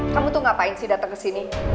kamu tuh ngapain sih dateng kesini